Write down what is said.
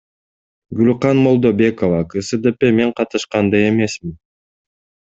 Гүлкан Молдобекова, КСДП Мен катышкан да эмесмин.